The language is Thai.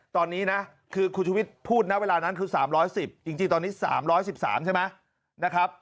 ตอนนี้นะคือคุณชุวิตพูดนะเวลานั้นคือ๓๑๐จริงตอนนี้๓๑๓ใช่ไหมนะครับ